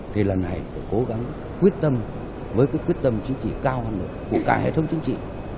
thì lần này phải cố gắng quyết tâm với cái quyết tâm chính trị cao hơn của cả hệ thống chính trị